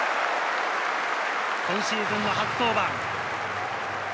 今シーズンの初登板。